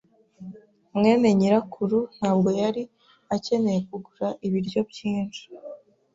mwene nyirakuru ntabwo yari akeneye kugura ibiryo byinshi.